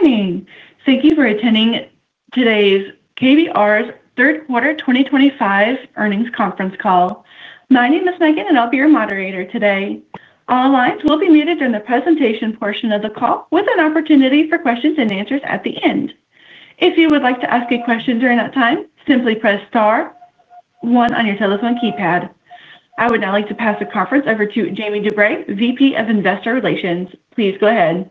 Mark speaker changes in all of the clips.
Speaker 1: Good morning. Thank you for attending today's KBR third quarter 2025 earnings conference call. My name is Megan and I'll be your moderator today. All lines will be muted during the presentation portion of the call, with an opportunity for questions and answers at the end. If you would like to ask a question during that time, simply press star 1 on your telephone keypad. I would now like to pass the conference over to Jamie DuBray, VP of Investor Relations. Please go ahead.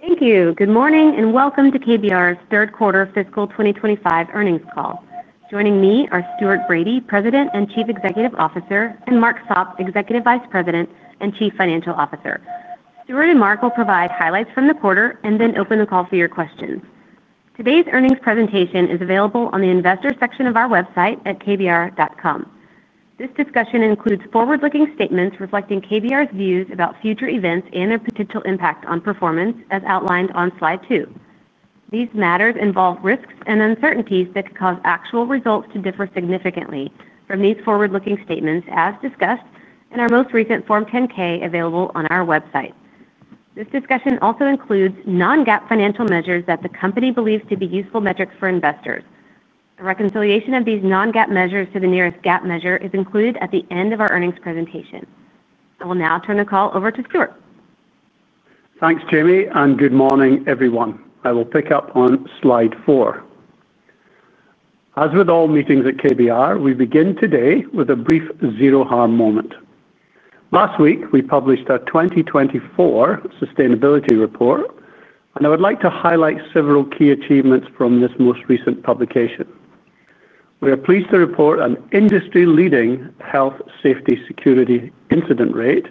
Speaker 2: Thank you. Good morning and welcome to KBR's third quarter fiscal 2025 earnings call. Joining me are Stuart Bradie, President and Chief Executive Officer, and Mark Sopp, Executive Vice President and Chief Financial Officer. Stuart and Mark will provide highlights from the quarter and then open the call for your questions. Today's earnings presentation is available on the Investors section of our website at kbr.com. This discussion includes forward-looking statements reflecting KBR's views about future events and their potential impact on performance as outlined on slide two. These matters involve risks and uncertainties that could cause actual results to differ significantly from these forward-looking statements. As discussed in our most recent Form 10-K available on our website, this discussion also includes non-GAAP financial measures that the company believes to be useful metrics for investors. A reconciliation of these non-GAAP measures to the nearest GAAP measure is included at the end of our earnings presentation. I will now turn the call over to Stuart.
Speaker 3: Thanks Jamie and good morning everyone. I will pick up on slide four. As with all meetings at KBR, we begin today with a brief Zero Harm moment. Last week we published our 2024 sustainability report, and I would like to highlight several key achievements from this most recent publication. We are pleased to report an industry-leading Health, Safety, Security incident rate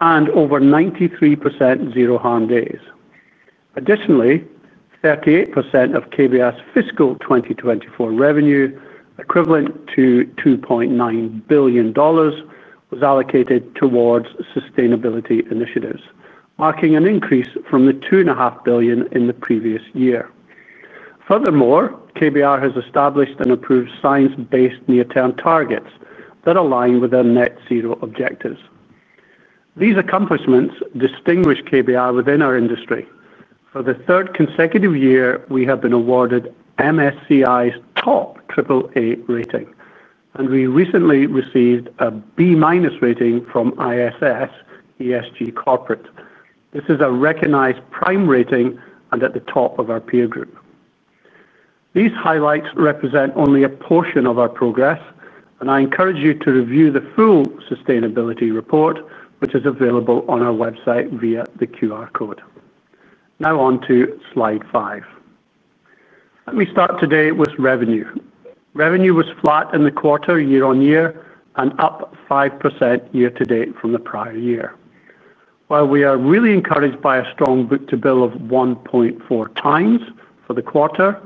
Speaker 3: and over 93% Zero Harm days. Additionally, 38% of KBR's fiscal 2024 revenue, equivalent to $2.9 billion, was allocated towards sustainability initiatives, marking an increase from the $2.5 billion in the previous year. Furthermore, KBR has established and approved science-based near-term targets that align with their net-zero objectives. These accomplishments distinguish KBR within our industry. For the third consecutive year, we have been awarded MSCI's top AAA rating, and we recently received a B- rating from ISS ESG Corporate. This is a recognized prime rating and at the top of our peer group. These highlights represent only a portion of our progress, and I encourage you to review the full sustainability report, which is available on our website via the QR code. Now on to slide five. Let me start today with revenue. Revenue was flat in the quarter year-on-year and up 5% year-to-date from the prior year. While we are really encouraged by a strong Book-to-Bill of 1.4x for the quarter,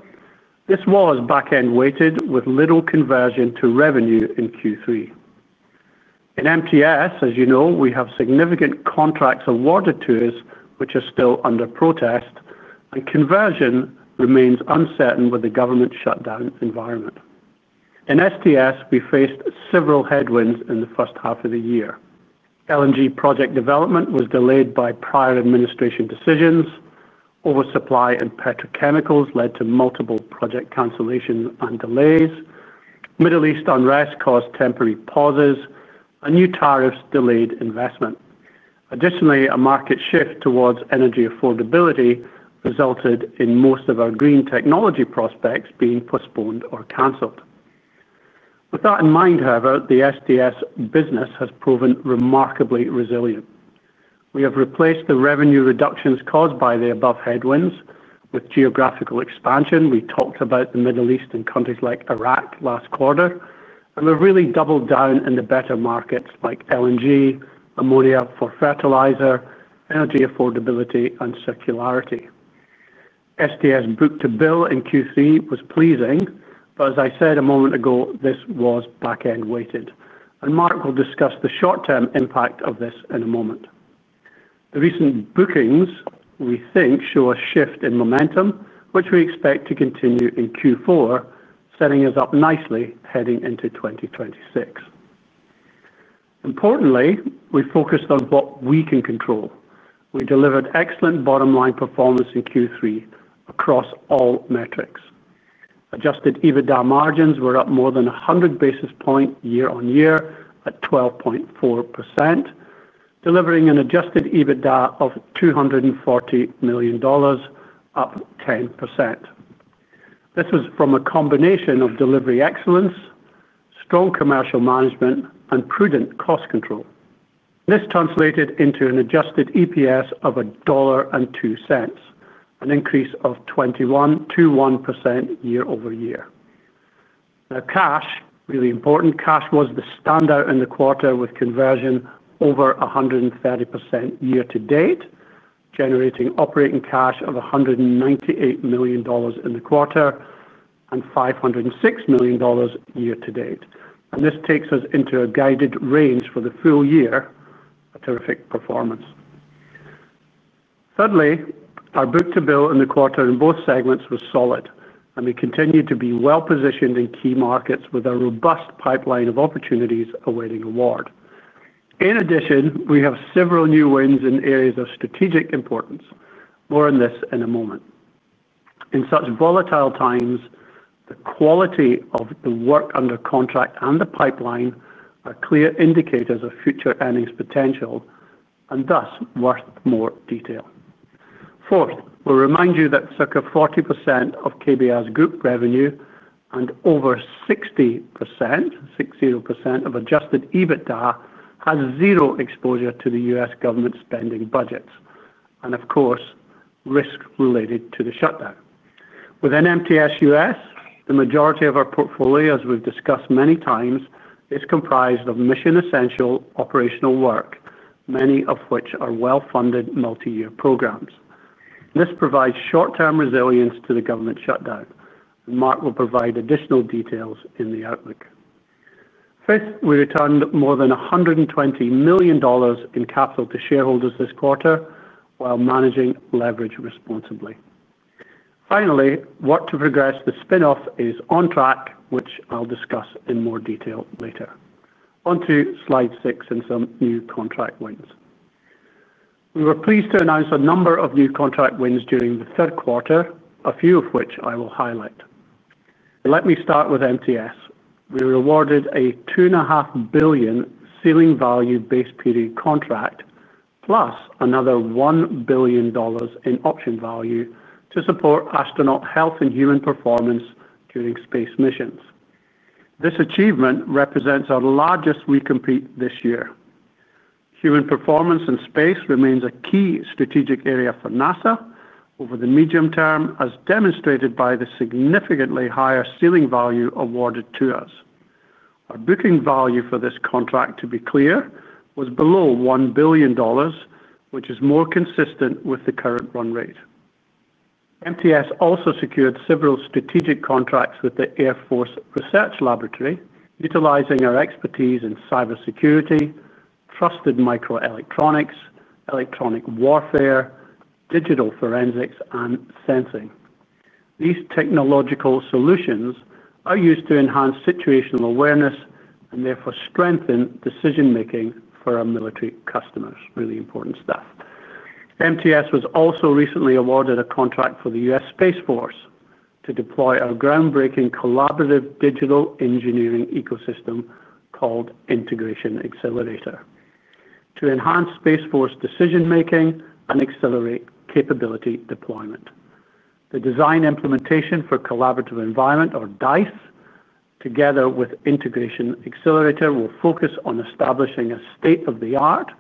Speaker 3: this was back-end weighted with little conversion to revenue in Q3 in MTS. As you know, we have significant contracts awarded to us which are still under protest, and conversion remains uncertain. With the government shutdown environment in STS, we faced several headwinds in the first half of the year. LNG project development was delayed by prior administration decisions. Oversupply in petrochemicals led to multiple project cancellations and delays. Middle East unrest caused temporary pauses, and new tariffs delayed investment. Additionally, a market shift towards energy affordability resulted in most of our green technology prospects being postponed or cancelled. With that in mind, however, the STS business has proven remarkably resilient. We have replaced the revenue reductions caused by the above headwinds with geographical expansion. We talked about the Middle East and countries like Iraq last quarter, and we've really doubled down in the better markets like LNG, ammonia for fertilizer, energy affordability, and circularity. STS book to bill in Q3 was pleasing, but as I said a moment ago, this was back-end weighted and Mark will discuss the short term impact of this in a moment. The recent bookings we think show a shift in momentum which we expect to continue in Q4, setting us up nicely heading into 2026. Importantly, we focused on what we can control. We delivered excellent bottom line performance in Q3 across all metrics. Adjusted EBITDA margins were up more than 100 basis points year-on-year at 12.4%, delivering an adjusted EBITDA of $240 million, up 10%. This was from a combination of delivery excellence, strong commercial management, and prudent cost control. This translated into an adjusted EPS of $1.02, an increase of 21% year-over-year. Now, cash, really important. Cash was the standout in the quarter with conversion over 130% year-to-date, generating operating cash of $198 million in the quarter and $506 million year-to-date, and this takes us into a guided range for the full year. A terrific performance. Thirdly, our book to bill in the quarter in both segments was solid and we continue to be well positioned in key markets with a robust pipeline of opportunities awaiting award. In addition, we have several new wins in areas of strategic importance. More on this in a moment. In such volatile times, the quality of the work under contract and the pipeline are clear indicators of future earnings potential and thus worth more detail. Fourth, we'll remind you that circa 40% of KBR's group revenue and over 60% of adjusted EBITDA has zero exposure to the U.S. government spending budgets and of course risk related to the shutdown. Within MTS, the majority of our portfolio, as we've discussed many times, is comprised of mission-essential operational work, many of which are well funded multi-year programs. This provides short-term resilience to the government shutdown. Mark will provide additional details in the outlook. Fifth, we returned more than $120 million in capital to shareholders this quarter while managing leverage responsibly. Finally, work to progress. The spin off is on track, which I'll discuss in more detail later. Onto slide six and some new contract wins. We were pleased to announce a number of new contract wins during the third quarter, a few of which I will highlight. Let me start with MTS. We were awarded a $2.5 billion ceiling value base period contract plus another $1 billion in option value to support astronaut health and human performance during space missions. This achievement represents our largest recompete this year. Human performance and space remains a key strategic area for NASA over the medium term, as demonstrated by the significantly higher ceiling value awarded to us. Our booking value for this contract, to be clear, was below $1 billion, which is more consistent with the current run rate. MTS also secured several strategic contracts with the Air Force Research Laboratory utilizing our expertise in cyber security, trusted microelectronics, electronic warfare, digital forensics, and sensing. These technological solutions are used to enhance situational awareness and therefore strengthen decision-making for our military customers. Really important stuff. MTS was also recently awarded a contract for the U.S. Space Force to deploy our groundbreaking collaborative digital engineering ecosystem called Integration Accelerator to enhance Space Force decision-making and accelerate capability deployment. The Design Implementation for Collaborative Environment, or DICE, together with Integration Accelerator, will focus on establishing a state-of-the-art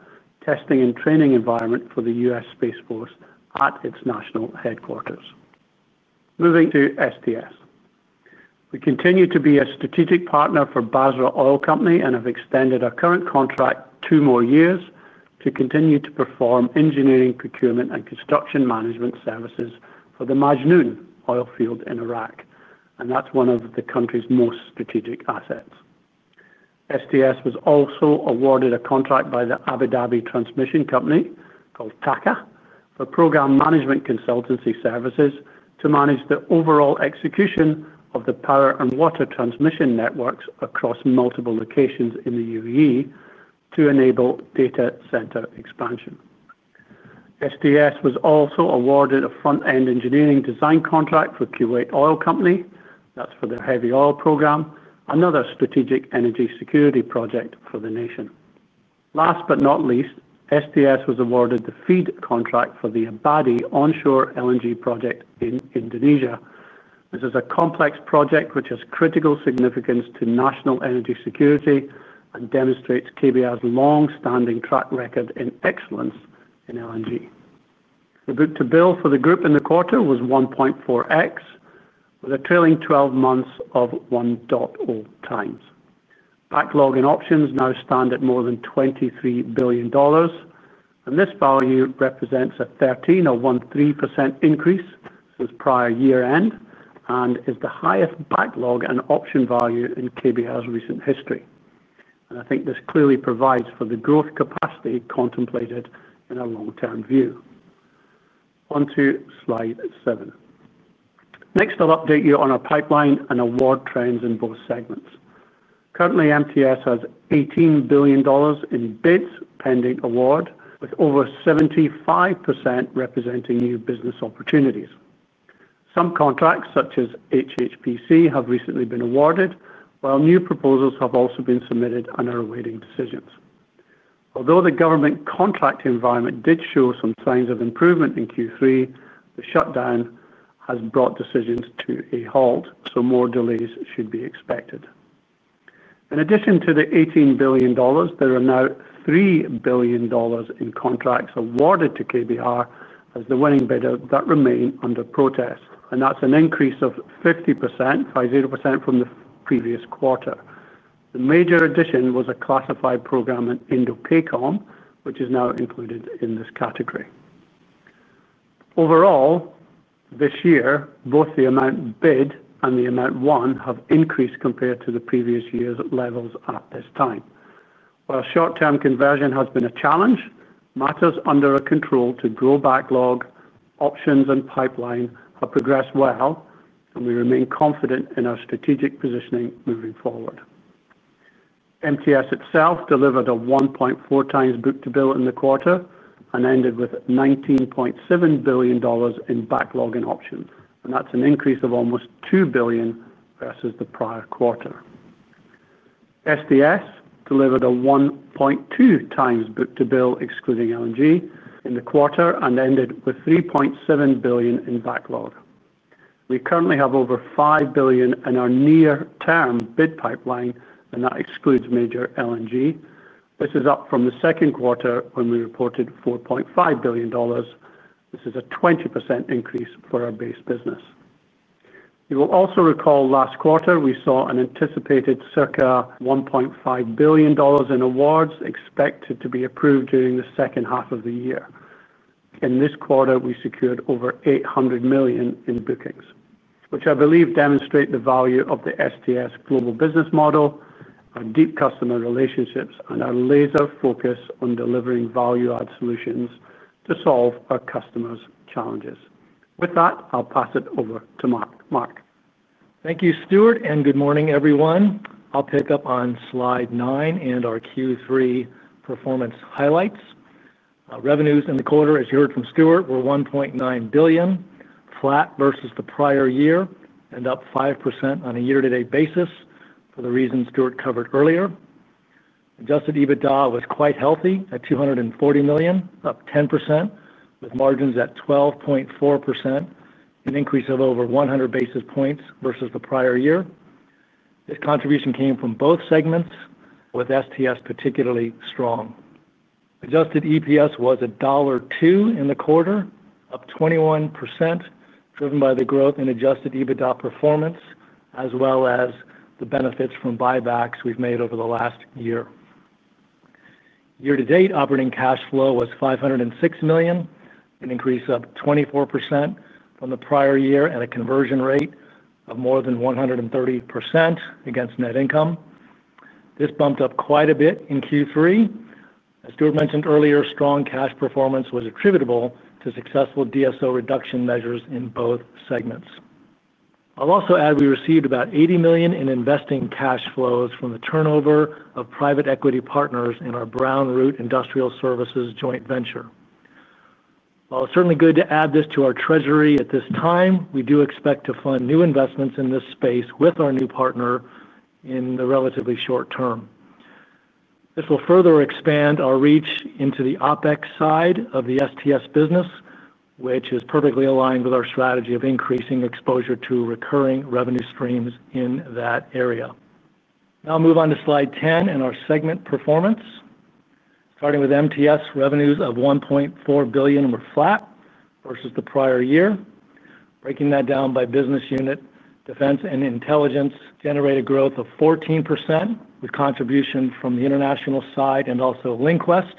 Speaker 3: testing and training environment for the U.S. Space Force at its national headquarters. Moving to STS, we continue to be a strategic partner for Basra Oil Company and have extended our current contract two more years to continue to perform engineering, procurement, and construction management services for the Majnoon oil field in Iraq, and that's one of the country's most strategic assets. STS was also awarded a contract by the Abu Dhabi Transmission Company (TAQA) for program management consultancy services to manage the overall execution of the power and water transmission networks across multiple locations in the UAE to enable data center expansion. STS was also awarded a front-end engineering design contract for Kuwait Oil Company. That's for their heavy oil program, another strategic energy security project for the nation. Last but not least, STS was awarded the FEED contract for the Abadi Onshore LNG project in Indonesia. This is a complex project which has critical significance to national energy security and demonstrates KBR's long standing track record in excellence in LNG. The Book-to-Bill for the group in the quarter was 1.4x with a trailing 12 months of 1.0x. Backlog plus options now stand at more than $23 billion and this value represents a 13% increase since prior year end and is the highest backlog and option value in KBR's recent history. I think this clearly provides for the growth capacity contemplated in a long term view. Onto slide seven, next I'll update you on our pipeline and award trends in both segments. Currently, MTS has $18 billion in bids pending award with over 75% representing new business opportunities. Some contracts such as HHPC have recently been awarded while new proposals have also been submitted and are awaiting decisions. Although the government contract environment did show some signs of improvement in Q3, the shutdown has brought decisions to a halt, so more delays should be expected. In addition to the $18 billion, there are now $3 billion in contracts awarded to KBR as the winning bidder that remain under protest and that's an increase of 50% from the previous quarter. The major addition was a classified program in INDOPACOM which is now included in this category. Overall, this year both the amount bid and the amount won have increased compared to the previous year's levels at this time. While short-term conversion has been a challenge, matters under our control to grow backlog plus options and pipeline have progressed well and we remain confident in our strategic positioning moving forward. MTS itself delivered a 1.4x Book-to-Bill in the quarter and ended with $19.7 billion in backlog plus options and that's an increase of almost $2 billion versus the prior quarter. STS delivered a 1.2x Book-to-Bill excluding LNG in the quarter and ended with $3.7 billion in backlog. We currently have over $5 billion in our near-term bid pipeline and that excludes major LNG. This is up from the second quarter when we reported $4.5 billion. This is a 20% increase for our base business. You will also recall last quarter we saw an anticipated circa $1.5 billion in awards expected to be approved during the second half of the year. In this quarter we secured over $800 million in bookings which I believe demonstrate the value of the STS global business model, our deep customer relationships, and our laser focus on delivering value add solutions to solve our customers' challenges. With that, I'll pass it over to Mark.
Speaker 4: Mark, thank you, Stuart, and good morning, everyone. I'll pick up on slide nine and our Q3 performance highlights. Revenues in the quarter, as you heard from Stuart, were $1.9 billion, flat versus the prior year and up 5% on a year-to-date basis. For the reason Stuart covered earlier, adjusted EBITDA was quite healthy at $240 million, up 10% with margins at 12.4%, an increase of over 100 basis points versus the prior year. This contribution came from both segments, with STS particularly strong. Adjusted EPS was $1.02 in the quarter, up 21%, driven by the growth in adjusted EBITDA performance as well as the benefits from buybacks we've made over the last year. Year-to-date, operating cash flow was $506 million, an increase of 24% from the prior year at a conversion rate of more than 130% against net income. This bumped up quite a bit in Q3. As Stuart mentioned earlier, strong cash performance was attributable to successful DSO reduction measures in both segments. I'll also add we received about $80 million in investing cash flows from the turnover of private equity partners in our Brown & Root Industrial Services joint venture. While it's certainly good to add this to our treasury at this time, we do expect to fund new investments in this space with our new partner. In the relatively short term, this will further expand our reach into the OpEx side of the STS business, which is perfectly aligned with our strategy of increasing exposure to recurring revenue streams in that area. Now, move on to slide 10 and our segment performance. Starting with MTS, revenues of $1.4 billion were flat versus the prior year. Breaking that down by business unit, Defense and Intelligence generated growth of 14% with contribution from the international side and also LinQuest.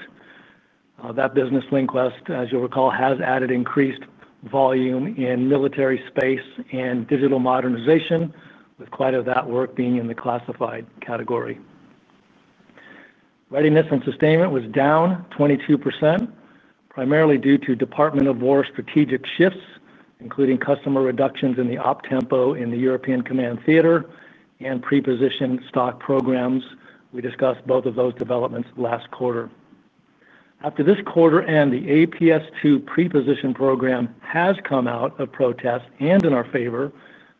Speaker 4: That business, LinQuest, as you'll recall, has added increased volume in military space and digital modernization, with quite a bit of that work being in the classified category. Readiness and sustainment was down 22%, primarily due to Department of War strategic shifts, including customer reductions in the OP Tempo in the European Command Theater and pre-positioned stock programs. We discussed both of those developments last quarter. After this quarter end, the APS-2 pre-position program has come out of protest and in our favor,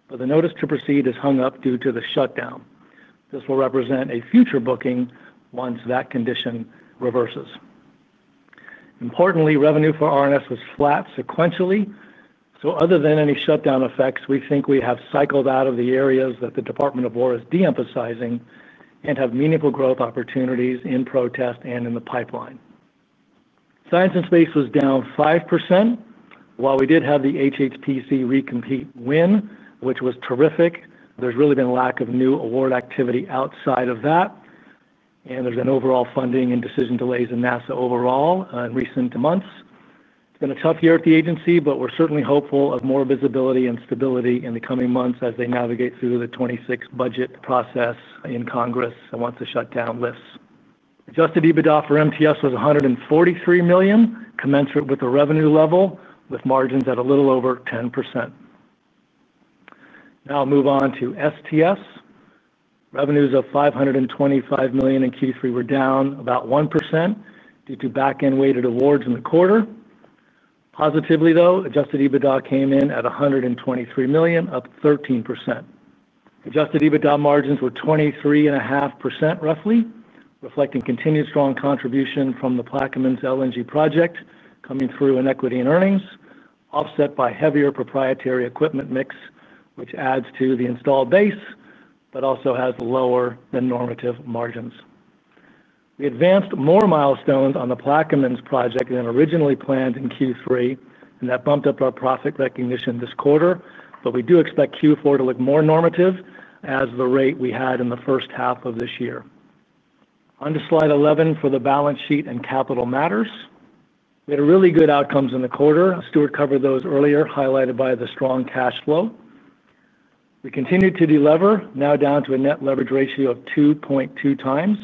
Speaker 4: but the notice to proceed is hung up due to the shutdown. This will represent a future booking once that condition reverses. Importantly, revenue for R&S was flat sequentially, so other than any shutdown effects. We think we have cycled out of the areas that the Department of War is de-emphasizing and have meaningful growth opportunities in protest and in the pipeline. Science and space was down 5%. While we did have the HHPC recompete win, which was terrific, there's really been a lack of new award activity outside of that, and there's an overall funding and decision delays in NASA overall in recent months. It's been a tough year at the agency, but we're certainly hopeful of more visibility and stability in the coming months as they navigate through the 2026 budget process in Congress once the shutdown lifts. Adjusted EBITDA for MTS was $143 million commensurate with the revenue level with margins at a little over 10%. Now move on to STS. Revenues of $525 million in Q3 were down about 1% due to back end weighted awards in the quarter. Positively though, adjusted EBITDA came in at $123 million, up 13%. Adjusted EBITDA margins were 23.5%, roughly reflecting continued strong contribution from the Plaquemines LNG project coming through in equity and earnings offset by heavier proprietary equipment mix which adds to the installed base but also has lower than normative margins. We advanced more milestones on the Plaquemines project than originally planned in Q3 and that bumped up our profit recognition this quarter. We do expect Q4 to look more normative as the rate we had in the first half of this year. On to slide 11 for the balance sheet and capital matters, we had really good outcomes in the quarter. Stuart covered those earlier, highlighted by the strong cash flow. We continue to delever now down to a Net Leverage Ratio of 2.2x.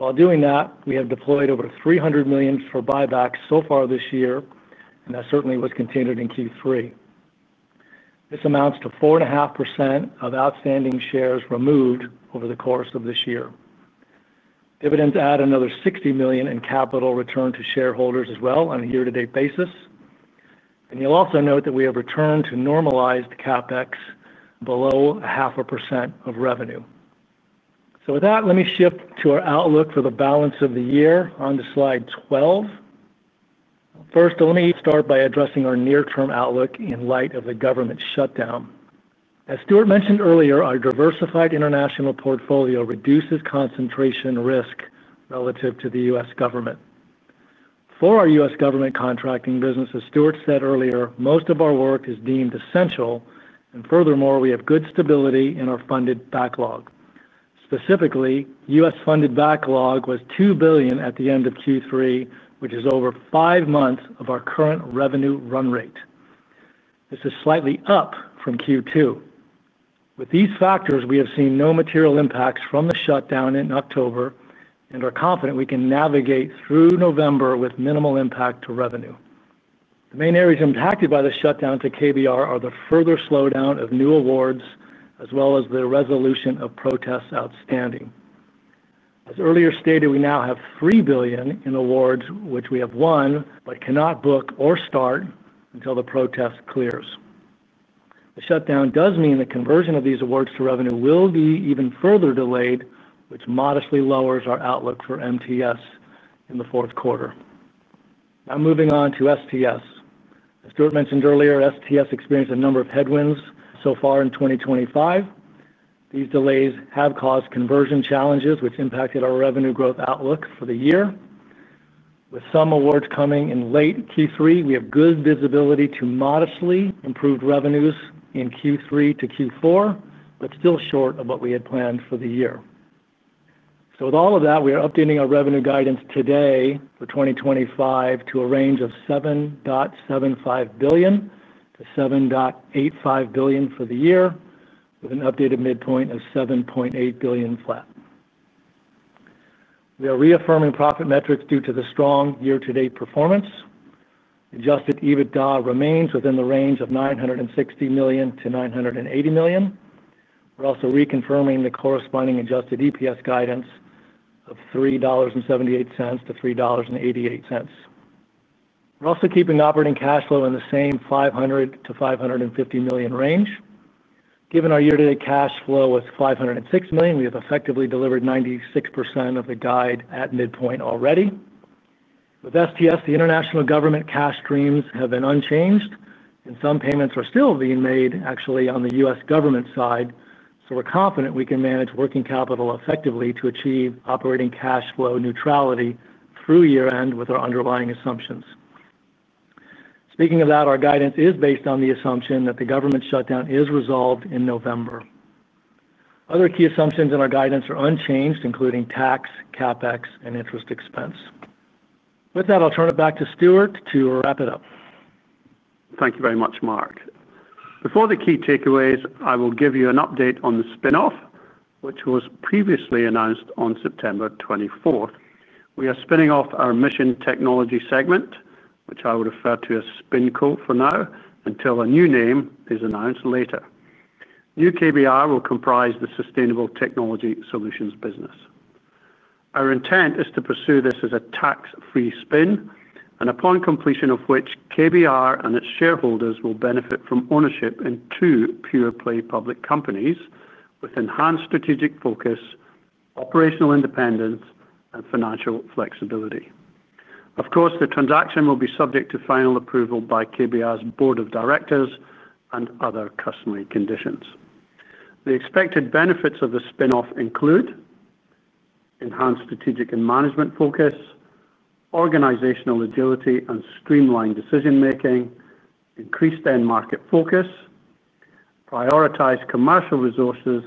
Speaker 4: While doing that, we have deployed over $300 million for buybacks so far this year and that certainly was contained in Q3. This amounts to 4.5% of outstanding shares removed from over the course of this year dividends. Add another $60 million in capital returned to shareholders as well on a year-to-date basis. You'll also note that we have returned to normalized CapEx below 0.5% of revenue. Let me shift to. Our outlook for the balance of the year. On to slide 12. First, let me start by addressing our near-term outlook in light of the government shutdown. As Stuart mentioned earlier, our diversified international portfolio reduces concentration risk relative to the U.S. government. For our U.S. government contracting business, as Stuart said earlier, most of our work is deemed essential and furthermore we have good stability in our funded backlog. Specifically, U.S. funded backlog was $2 billion at the end of Q3, which is over five months of our current revenue run rate. This is slightly up from Q2. With these factors, we have seen no material impacts from the shutdown in October and are confident we can navigate through November with minimal impact to revenue. The main areas impacted by the shutdown to KBR are the further slowdown of new awards as well as the resolution of protests outstanding. As earlier stated, we now have $3 billion in awards which we have won but cannot book or start until the protest clears. The shutdown does mean the conversion of these awards to revenue will be even further delayed, which modestly lowers our outlook for MTS in the fourth quarter. Now moving on to STS. As Stuart mentioned earlier, STS experienced a number of headwinds so far in 2023. These delays have caused conversion challenges which impacted our revenue growth outlook for the year. With some awards coming in late Q3, we have good visibility to modestly improved revenues in Q3 to Q4, but still short of what we had planned for the year. With all of that, we are updating our revenue guidance today for 2023 to a range of $7.75 billion-$7.85 billion for the year with an updated midpoint of $7.8 billion flat. We are reaffirming profit metrics due to the strong year-to-date performance. Adjusted EBITDA remains within the range of $960 million-$980 million. We're also reconfirming the corresponding adjusted EPS guidance of $3.78-$3.88. We're also keeping operating cash flow in the same $500 million-$550 million range. Given our year-to-date cash flow was $506 million, we have effectively delivered 96% of the guide at midpoint already with STS. The international government cash streams have been unchanged and some payments are still being made actually on the U.S. government side. We're confident we can manage working capital effectively to achieve operating cash flow neutrality through year end with our underlying assumptions. Speaking of that, our guidance is based on the assumption that the government shutdown is resolved in November. Other key assumptions in our guidance are unchanged including tax, CapEx, and interest expense. With that, I'll turn it back to Stuart to wrap it up.
Speaker 3: Thank you very much, Mark. Before the key takeaways, I will give you an update on the spinoff, which. Was previously announced on September 24th. We are spinning off our Mission Technologies segment, which I would refer to as SpinCo for now until a new name is announced later. New KBR will comprise the Sustainable Technology Solutions business. Our intent is to pursue this as a tax-free spin, and upon completion of which KBR and its shareholders will benefit from ownership in two pure-play public companies with enhanced strategic focus on operational independence and financial flexibility. Of course, the transaction will be subject to final approval by KBR's Board of Directors and other customary conditions. The expected benefits of the spin-off: enhanced strategic and management focus, organizational agility and streamlined decision-making, increased end market focus, prioritized commercial resources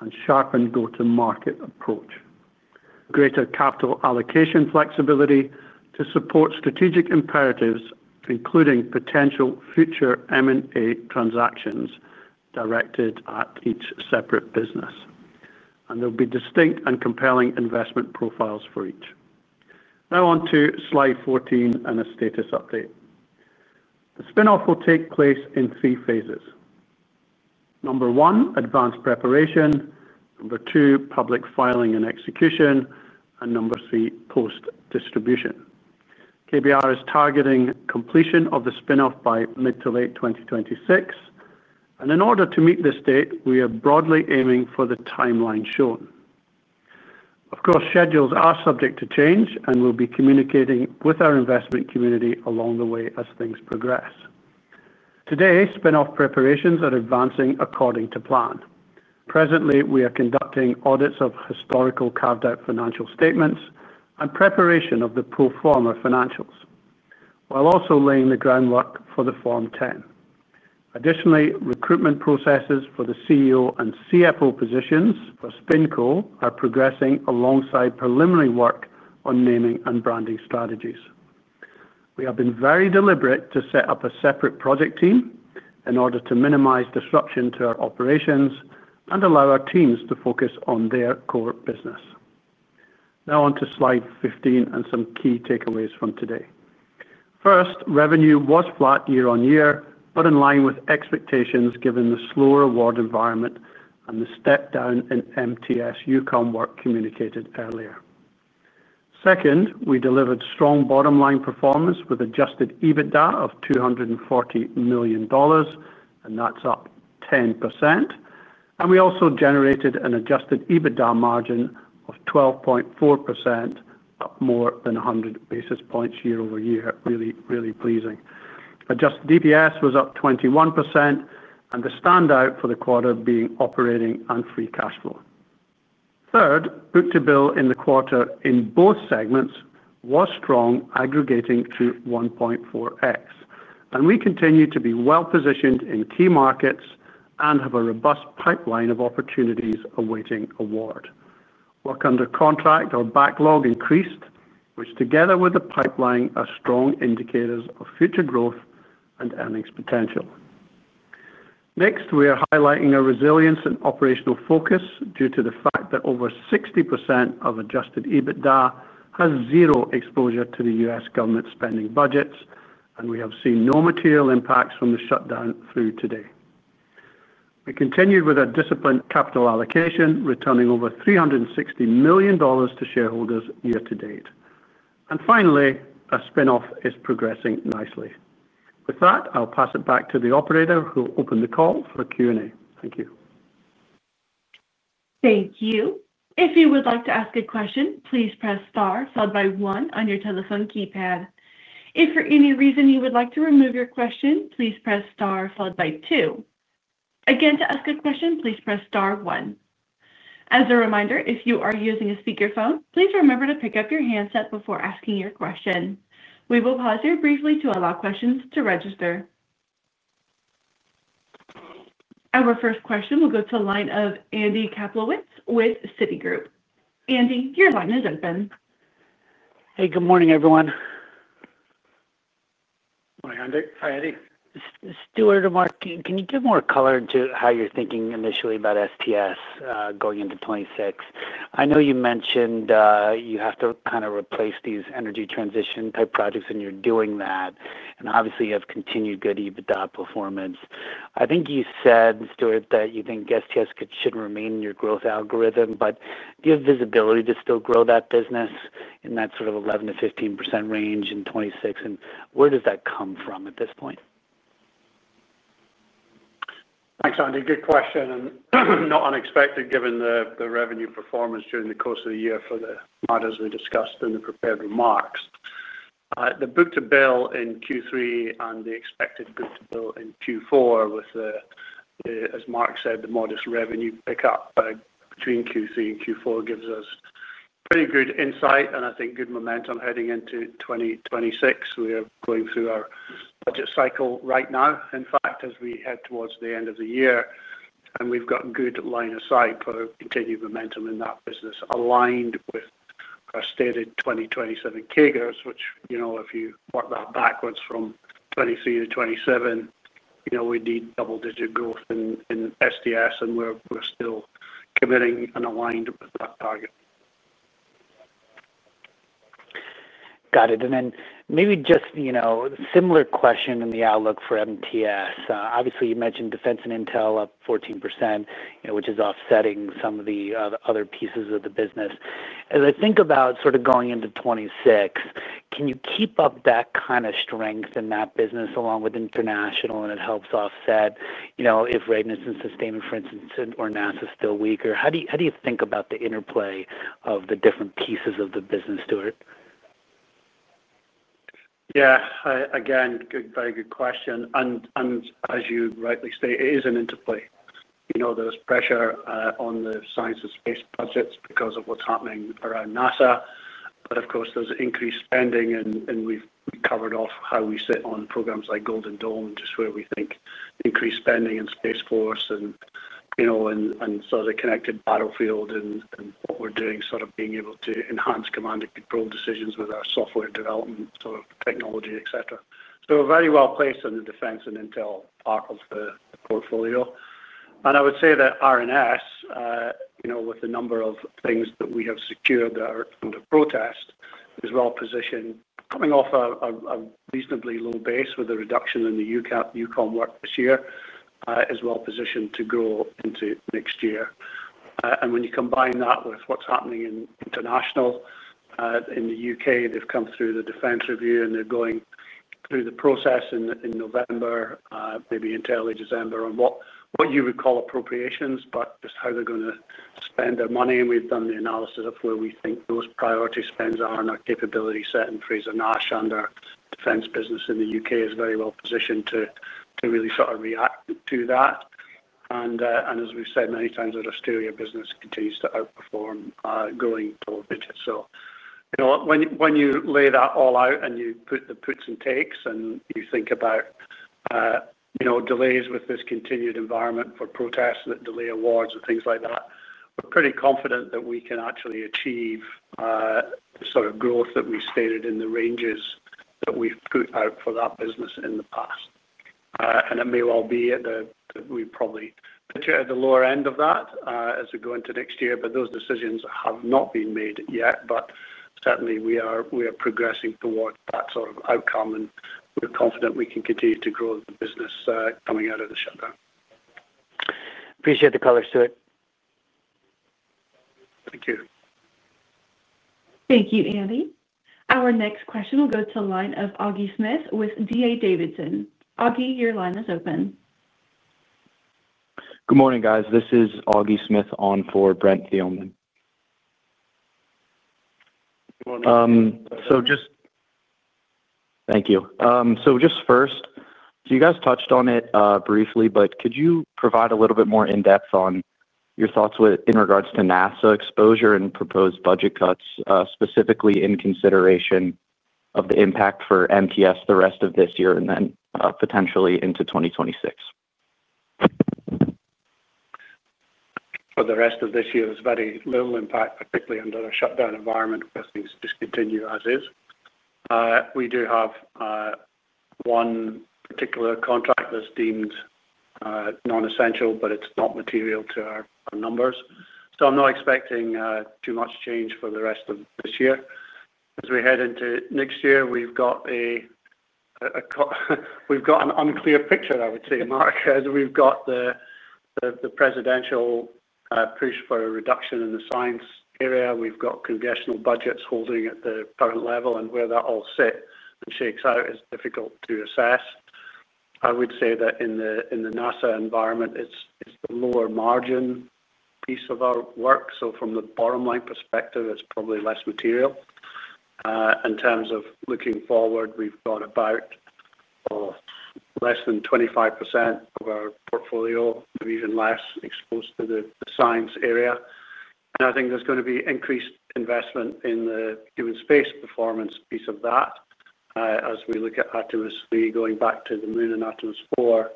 Speaker 3: and sharpened go-to-market approach, greater capital allocation flexibility to support strategic imperatives including potential future M&A transactions directed at each separate business, and there will be distinct and compelling investment profiles for each. Now on to slide 14 and a status update. The spin-off will take place in three phases: number one, advanced preparation; number two, public filing and execution; and number three, post-distribution. KBR is targeting completion of the spin-off by mid to late 2026, and in order to meet this date, we are broadly aiming for the timeline shown. Of course, schedules are subject to change, and we'll be communicating with our investment community along the way as things progress. Today, spin-off preparations are advancing according to plan. Presently, we are conducting audits of historical carved-out financial statements and preparation of the pro forma financials while also laying the groundwork for the Form 10. Additionally, recruitment processes for the CEO and CFO positions for SpinCo are progressing alongside preliminary work on naming and branding strategies. We have been very deliberate to set up a separate project team in order to minimize disruption to our operations and allow our teams to focus on their core business. Now on to slide 15 and some key takeaways from today. First, revenue was flat year-on-year but in line with expectations given the slower award environment and the step down in MTS work communicated earlier. Second, we delivered strong bottom line performance with adjusted EBITDA of $240 million, and that's up 10%, and we also generated an adjusted EBITDA margin of 12.4%, up more than 100 basis points year-over-year. Really, really pleasing. Adjusted EPS was up 21% and the standout for the quarter being operating and free cash flow. Third book to bill in the quarter in both segments was strong, aggregating to 1.4x, and we continue to be well positioned in key markets and have a robust pipeline of opportunities awaiting award. Work under contract or backlog increased, which together with the pipeline are strong indicators of future growth and earnings potential. Next, we are highlighting our resilience and operational focus due to the fact that over 60% of adjusted EBITDA has zero exposure to the U.S. government spending budgets. We have seen no material impacts from the shutdown through today. We continued with our disciplined capital allocation, returning over $360 million to shareholders year-to-date. Finally, a spin off is progressing nicely. With that, I'll pass it back to the operator who will open the call for Q&A. Thank you.
Speaker 1: Thank you. If you would like to ask a question, please press star followed by one on your telephone keypad. If for any reason you would like to remove your question, please press star followed by two. Again, to ask a question, please press star one. As a reminder, if you are using a speakerphone, please remember to pick up your handset before asking your question. We will pause here briefly to allow questions to register. Our first question will go to the line of Andy Kaplowitz with Citigroup. Andy, your line is open.
Speaker 5: Hey, good morning everyone.
Speaker 3: Morning Andy.
Speaker 4: Hi Andy.
Speaker 5: Stuart or Mark, can you give more color into how you're thinking initially about STS going into 2026? I know you mentioned you have to kind of replace these energy transition type projects and you're doing that, and obviously you have continued good EBITDA performance. I think you said, Stuart, that you think STS should remain in your growth algorithm, but do you have visibility to still grow that business in that sort of 11%-15% range in 2026 and where does that come from at this point?
Speaker 3: Thanks, Andy. Good question and not unexpected given the revenue performance during the course of the year. For the matters we discussed in the prepared remarks, the Book-to-Bill in Q3 and the expected Book-to-Bill in Q4, as Mark said, the modest revenue pickup between Q3 and Q4 gives us pretty good insight and I think good momentum heading into 2026. We are going through our budget cycle right now, in fact, as we head towards the end of the year, and we've got good line of sight for continued momentum in that business aligned with our stated 2027 CAGRs, which, you know, if you work that backwards from 2023 to 2027, you know, we need double-digit growth in STS and we're still. Committing and aligned with that target.
Speaker 5: Got it. Maybe just, you know, similar question in the outlook for MTS. Obviously, you mentioned Defense and Intel up 14%, which is offsetting some of the other pieces of the business. As I think about sort of going into 2026, can you keep up that kind of strength in that business along with international? It helps offset, you know, if readiness and sustainment, for instance, or NASA is still weaker. How do you think about the interplay of the different pieces? Of the business, Stuart?
Speaker 3: Yeah, again, very good question. As you rightly state, it is an interplay. There's pressure on the science and space budgets because of what's happening around NASA, but of course there's increased spending and we covered off how we sit on programs like Golden Dome, just where we think increased spending in U.S. Space Force and sort of connected battlefield and what we're doing, being able to enhance command and control decisions with our software development technology, etc. Very well placed in the Defense and Intel part of the portfolio. I would say that R&S, with the number of things that we have secured that are under protest, is well positioned, coming off a reasonably low base with the reduction in the EUCOM work this year, is well positioned to grow into next year. When you combine that with what's happening in international in the U.K., they've come through the defense review and they're going through the process in November, maybe entirely December, on what you would call appropriations, just how they're going to spend their money, and we've done the analysis of where we think those priority spends are and our capability set in Frazer-Nash under defense business in the U.K. is very well positioned to really react to that. As we've said many times, the Australia business continues to outperform, growing. When you lay that all out and you put the puts and takes and you think about delays with this continued environment for protests that delay awards and things like that, we're pretty confident that we can actually achieve the sort of growth that we stated in the ranges that we've put out for that business in the past. It may well be we probably picture at the lower end of that as we go into next year, but those decisions have not been made yet. Certainly we are progressing towards that sort of outcome and we're confident we can continue to grow the business coming out of the shutdown.
Speaker 5: Appreciate the color Stuart.
Speaker 3: Thank you.
Speaker 1: Thank you, Andy. Our next question will go to the line of Augie Smith with D.A. Davidson. Augie, your line is open.
Speaker 6: Good morning, guys. This is Augie Smith on for Brent Thielman. So just. Thank you. You guys touched on. Briefly, but could you provide a little bit more in depth on your thoughts in regards to NASA exposure and proposed budget cuts, specifically in consideration of the impact for MTS the rest of this year and then potentially into 2026.
Speaker 3: For the rest of this year, there's very little impact, particularly under a shutdown environment, just continue as is. We do have one particular contract that's deemed non-essential, but it's not material to our numbers. I'm not expecting too much change for the rest of this year as we head into next year. We've got an unclear picture, I would say. Mark, as we've got the presidential push for a reduction in the science area, we've got congressional budgets holding at the current level, and where that all sits and shakes out is difficult to assess. I would say that in the NASA environment it's the lower margin piece of our work. From the bottom line perspective, it's probably less material in terms of looking forward. We've got about less than 25% of our portfolio, even less exposed to the science area, and I think there's going to be increased investment in the human space performance piece of that as we look at Artemis III going back to the moon and Artemis IV,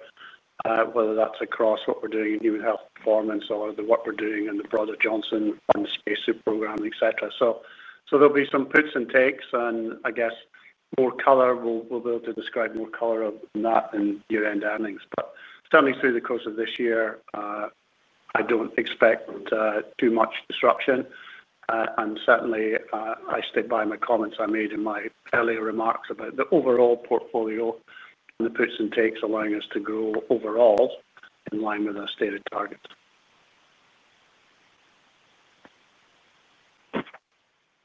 Speaker 3: whether that's across what we're doing in human health performance or the work we're doing at the Johnson on the spacesuit program, etc. There'll be some puts and takes, and I guess we'll be able to describe more color than that in year-end earnings. Certainly, through the course of this year, I don't expect too much disruption, and I stick by my comments I made in my earlier remarks about the overall portfolio and the puts and takes allowing us to grow overall in line with our stated targets.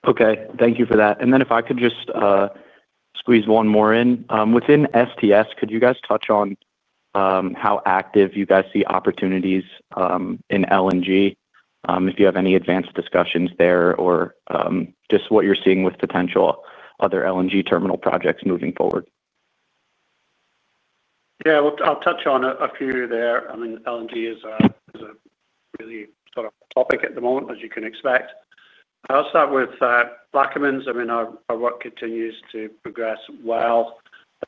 Speaker 6: Okay, thank you for that. If I could just squeeze one more in within STS, could you guys touch on how active you guys see opportunities in LNG, if you have any advanced discussions there, or just what you're seeing with potential other LNG terminal projects moving forward?
Speaker 3: Yeah, I'll touch on a few there. I mean LNG is a really sort of topic at the moment, as you can expect. I'll start with Plaquemines. I mean our work continues to progress well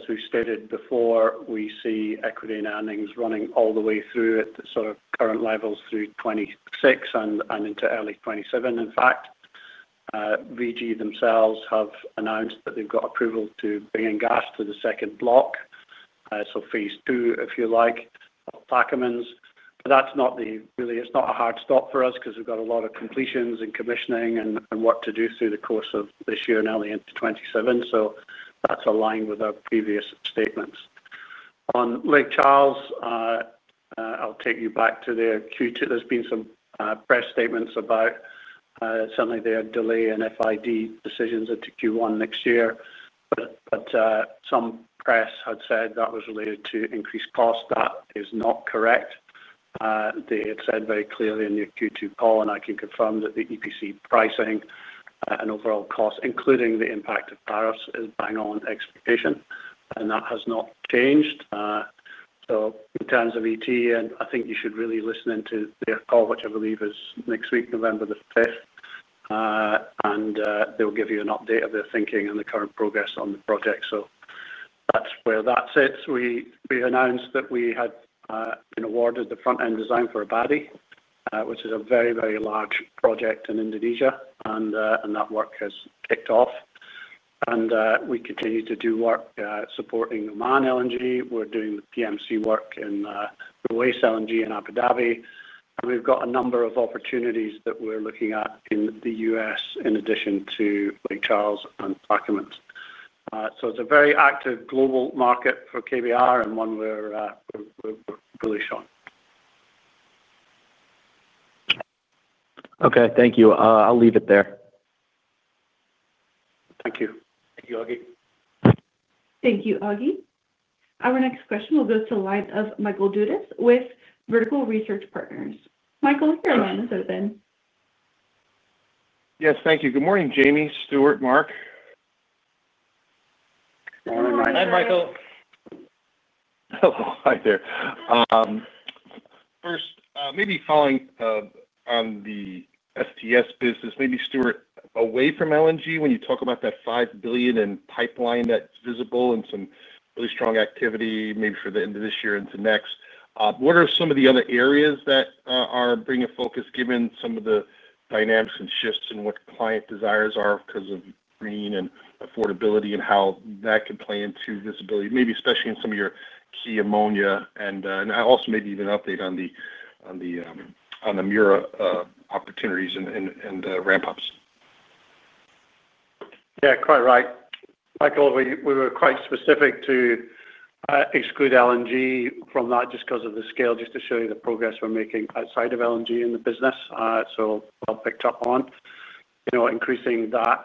Speaker 3: as we've stated before, we see equity and earnings running all the way through at the sort of current levels through 2026 and into early 2027. In fact, VG themselves have announced that they've got approval to bring in gas to the second block, so Phase II if you like, Plaquemines. That's not really a hard stop for us because we've got a lot of completions and commissioning and work to do through the course of this year and early into 2027. That's aligned with our previous statements on Lake Charles. I'll take you back to their Q2. There's been some press statements about certainly their delay in FID decisions into Q1 next year, but some press had said that was related to increased costs. That is not correct. They had said very clearly in their Q2 call and I can confirm that the EPC pricing and overall costs, including the impact of tariffs, is bang on expectation and that has not changed. In terms of ET, I think you should really listen into their call, which I believe is next week, November 5th, and they'll give you an update of their thinking and the current progress on the project. That's where that sits. We announced that we had been awarded the front-end engineering design for Abadi, which is a very, very large project in Indonesia, and that work has kicked off and we continue to do work supporting Oman LNG. We're doing the PMC work in the Waste-to-LNG in Abu Dhabi, and we've got a number of opportunities that we're looking at in the U.S. in addition to Lake Charles and Plaquemines. It's a very active global market for KBR and one we're bullish on.
Speaker 6: Okay, thank you. I'll leave it there.
Speaker 3: Thank you.
Speaker 4: Thank you.
Speaker 1: Thank you, Augie. Our next question will go to the line of Michael Dudas with Vertical Research Partners. Michael, your line is open.
Speaker 7: Yes, thank you. Good morning, Jamie, Stuart, Mark.
Speaker 3: Hi Michael.
Speaker 4: Hello. Hi there.
Speaker 7: First, maybe following on the STS business, maybe Stuart, away from LNG, when you talk about that $5 billion in pipeline that's visible and some really strong activity maybe for the end of this year into next, what are some of the other areas that are bringing focus given some of the dynamics and shifts and what client desires are because of green and affordability and how that could play into visibility, maybe especially in some of your key ammonia and also maybe even update on the Mura opportunities and ramp ups.
Speaker 3: Yeah, quite right, Michael. We were quite specific to exclude LNG from that just because of the scale. Just to show you the progress we're making outside of LNG in the business, so well picked up on, you know, increasing that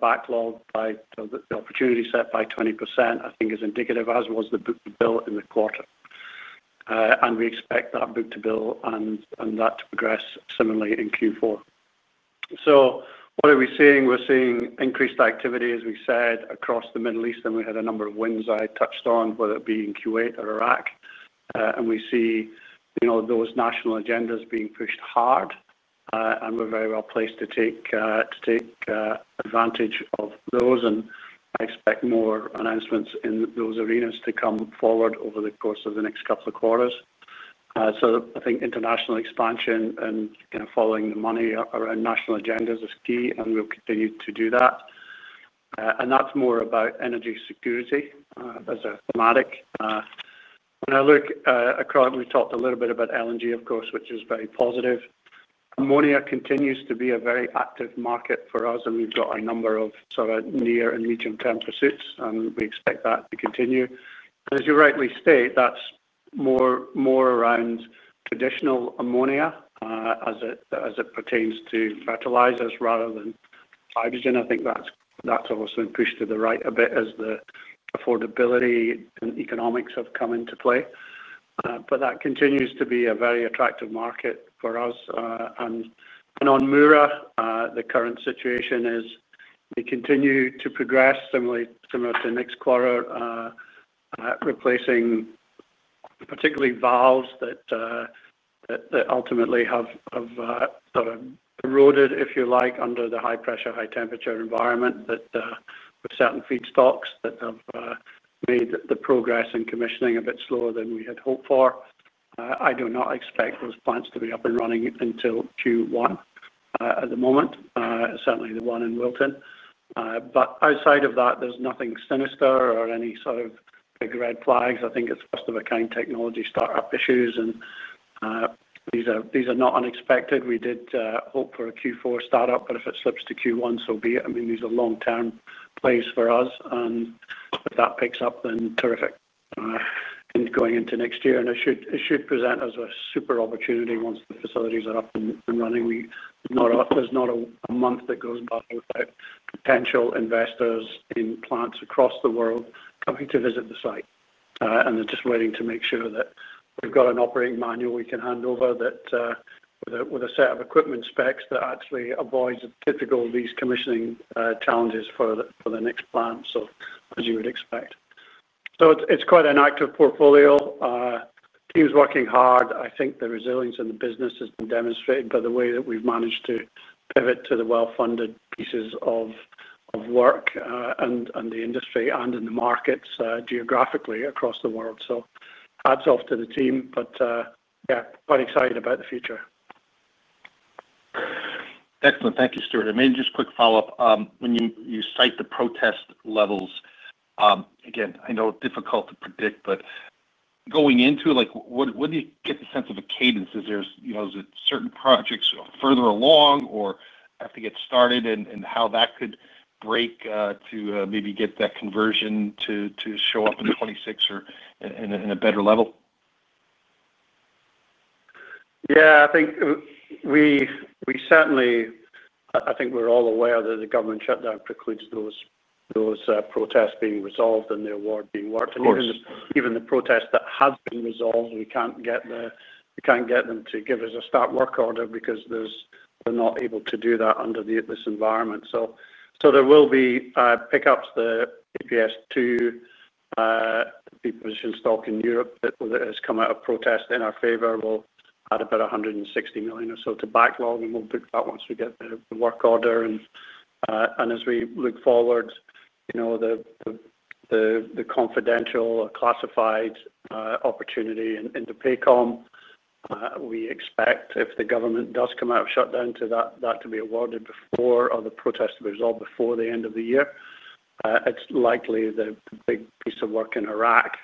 Speaker 3: backlog by the opportunity set by 20% I think is indicative, as was the Book-to-Bill in the quarter, and we expect that Book-to-Bill and that to progress similarly in Q4. What are we seeing? We're seeing increased activity, as we said, across the Middle East, and we had a number of wins I touched on, whether it be in Kuwait or Iraq. We see those national agendas being pushed hard, and we're very well placed to take advantage of those. I expect more announcements in those arenas to come forward over the course of the next couple of quarters. I think international expansion and following the money around national agendas is key. Continue to do that, and that's more about energy security as a thematic when I look across. We've talked a little bit about LNG, of course, which is very positive. Ammonia continues to be a very active market for us, and we've got a number of sort of near and medium-term pursuits, and we expect that to continue. As you rightly state, that's more around traditional ammonia as it pertains to fertilizers rather than hydrogen. I think that's also been pushed to the right a bit as the affordability and economics have come into play, but that continues to be a very attractive market for us. On Mura, the current situation is we continue to progress similar to next quarter, replacing particularly valves that ultimately have. Eroded, if you like, under the high. Pressure, high temperature environment that certain feedstocks that have made the progress in commissioning a bit slower than we had hoped for. I do not expect those plants to be up and running until Q1 at the moment, certainly the one in Wilton, but outside of that there's nothing sinister or any sort of big red flags. I think it's first of a kind technology startup issues and these are not unexpected. We did hope for a Q4 startup, but if it slips to Q1, so be it. I mean, these are long term plays for us and if that picks up, then terrific going into next year and it should present us a super opportunity once the facilities are up and running. There's not a month that goes by without potential investors in plants across the world coming to visit the site and they're just waiting to make sure that we've got an operating manual we can hand over with a set of equipment specs that actually avoids typical lease commissioning challenges for the next plant, as you would expect. It's quite an active portfolio, team's working hard. I think the resilience in the business has been demonstrated by the way that we've managed to pivot to the well funded pieces of work in the industry and in the markets geographically across the world. Hats off to the team. Quite excited about the future.
Speaker 7: Excellent. Thank you, Stuart. Maybe just quick follow up when you cite the protest levels. Again, I know, difficult to predict. Going into like, what do you get the sense of a cadence, is there, is it certain projects further along or have to get started and how that could break to maybe get that conversion to show up in 2026 or. In a better level?
Speaker 3: Yeah, I think we certainly, I think we're all aware that the government shutdown precludes those protests being resolved and the award being worked. Even the protest that has been resolved, we can't get them to give us a start work order because they're not able to do that under this environment. There will be pickups. The APS-2 position stock in Europe that has come out of protest in our favor will add about $160 million or so to backlog, and we'll book that once we get the work order. As we look forward, you know, the confidential classified opportunity INDOPACOM, we expect if the government does come out of shutdown, that to be awarded before other protests to be resolved before the end of the year. It's likely the big piece of work in Iraq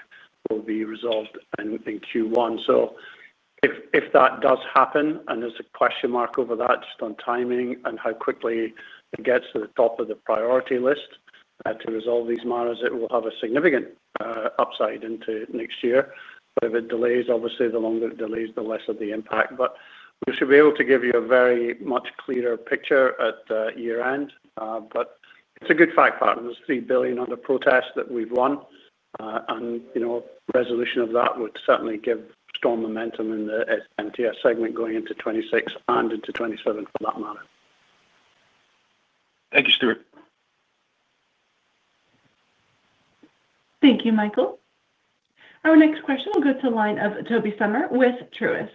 Speaker 3: will be resolved in Q1. If that does happen, and there's a question mark over that just on timing and how quickly it gets to the top of the priority list to resolve these matters, it will have a significant upside into next year. If it delays, obviously the longer it delays, the lesser the impact. We should be able to give you a very much clearer picture at year end. It's a good fact pattern. There's $3 billion under protest that we've won, and, you know, resolution of that would certainly give strong momentum in the MTS segment going into 2026 and into 2027, for that matter.
Speaker 7: Thank you, Stuart.
Speaker 1: Thank you, Michael. Our next question will go to the line of Tobey Sommer with Truist.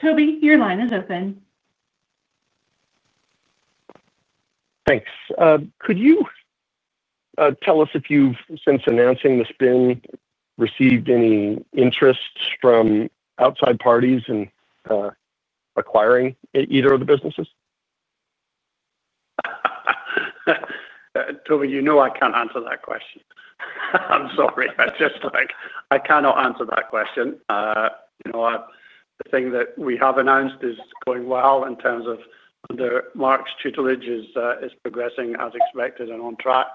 Speaker 1: Tobey, your line is open.
Speaker 8: Thanks. Could you tell us if you've since? Announcing the spin, received any interest from outside parties in acquiring either of the businesses?
Speaker 3: Tobey, you know, I can't answer that question. I'm sorry, I just cannot answer that question. You know, the thing that we have announced is going well in terms of under Mark's tutelage, is progressing as expected and on track.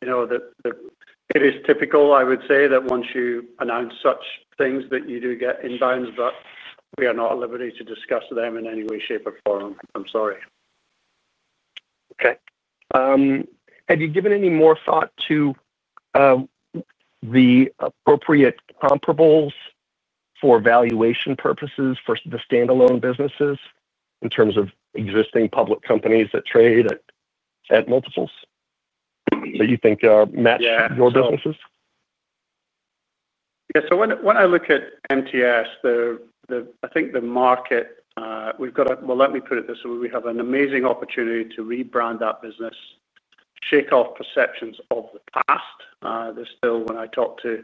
Speaker 3: It is typical, I would say, that once you announce such things you do get inbounds, but we are not at liberty to discuss them in any way, shape or form. I'm sorry.
Speaker 8: Okay. Have you given any more thought to the appropriate comparables for valuation purposes? The standalone businesses in terms of existing. Public companies that trade at multiples that you think match your businesses.
Speaker 3: Yeah. When I look at MTS, I think the market we've got, let me put it this way, we have an amazing opportunity to rebrand that business, shake off perceptions of the past. When I talk to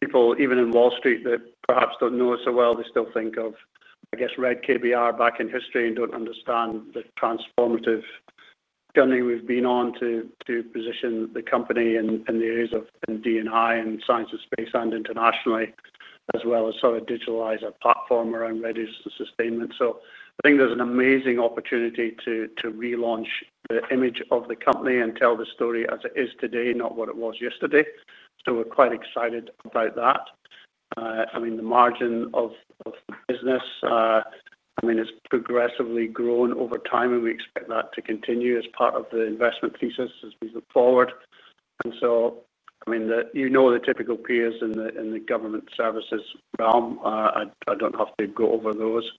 Speaker 3: people even in Wall Street that perhaps don't know us so well, they still think of, I guess, Red KBR back in history and don't understand the transformative journey we've been on to position the company in the areas of D&I and science and space and internationally, as well as sort of digitalize a platform around readiness and sustain. I think there's an amazing opportunity to relaunch the image of the company and tell the story as it is today, not what it was yesterday. We're quite excited about that. I mean, the margin of business, I. mean, it's progressively grown over time. We expect that to continue as part of the investment thesis as we look forward. I mean, you know, the typical peers in the government services realm, I don't have to go over those,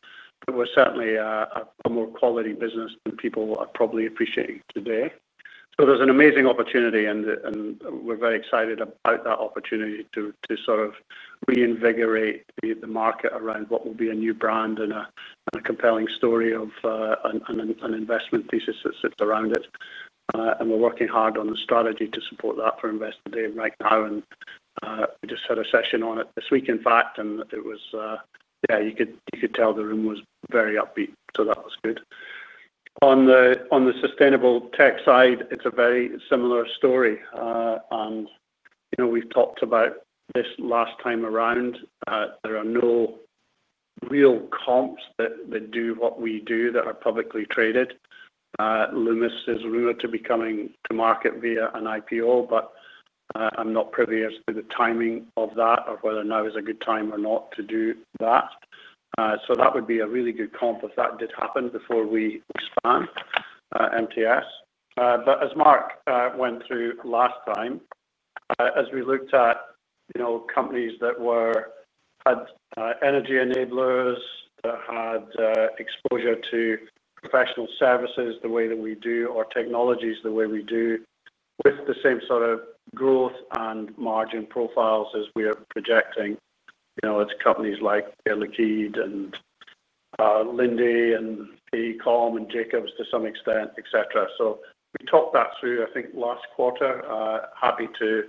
Speaker 3: but we're certainly a more quality business than people are probably appreciating today. There's an amazing opportunity and we're very excited about that opportunity to sort of reinvigorate the market around what will be a new brand and a compelling story of an investment thesis that sits around it. We're working hard on the strategy to support that for Investor Day right now. We just had a session on it this week, in fact, and it was, yeah, you could tell the room was very upbeat, so that was good. On the sustainable tech side, it's a very similar story. We've talked about this last time around. There are no real comps that do what we do that are publicly traded. Loomis is rumored to be coming to market via an IPO, but I'm not privy as to the timing of that or whether now is a good time or not to do that. That would be a really good comp if that did happen before we expand MTS. As Mark went through last time, as we looked at companies that had energy enablers, that had exposure to professional services the way that we do, or technologies the way we do with the same sort of growth and margin profiles as we are projecting, you know, it's companies like Linde and AECOM and Jacobs to some extent, etc. We talked that through, I think, last quarter. Happy to